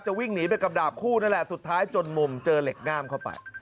วิ่งหนีไปกับดาบคู่นั่นแหละสุดท้ายจนมุมเจอเหล็กง่ามเข้าไป